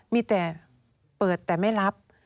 มีแต่เปิดแต่ไม่รับ